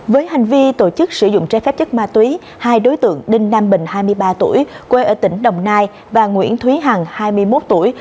với hành vi tổ chức sử dụng trái phép chất ma túy hai đối tượng đinh nam bình hai mươi ba tuổi